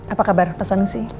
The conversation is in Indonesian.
apa kabar pak sanusi